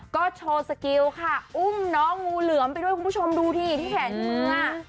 ก็โชว์สกิลค่ะอุ้มน้องงูเหลือมไปด้วยคุณผู้ชมดูที่แขนมือ